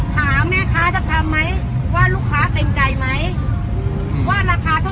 ถามแม่ค้าจะทำมั๊ยว่าลูกค้าเตรียมใจมั๊ยว่าราคาทั้งเนี้ยเราไม่ได้ไปขุบ่างครับ